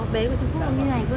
bé của trung quốc nó như thế này cơ